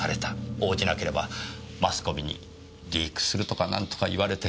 応じなければマスコミにリークするとか何とか言われて。